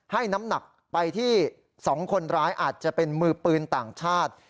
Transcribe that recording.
น้ำหนักไปที่๒คนร้ายอาจจะเป็นมือปืนต่างชาติ